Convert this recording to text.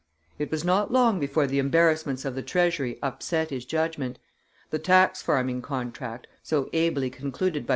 It was not long before the embarrassments of the treasury upset his judgment: the tax farming contract, so ably concluded by M.